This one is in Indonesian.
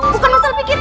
bukan masalah pikir